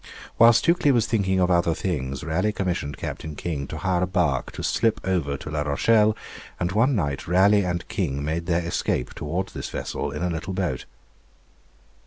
While Stukely was thinking of other things, Raleigh commissioned Captain King to hire a barque to slip over to La Rochelle, and one night Raleigh and King made their escape towards this vessel in a little boat.